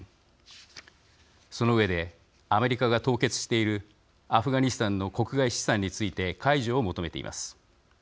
その上でアメリカが凍結しているアフガニスタンの国外資産について解除を求めています。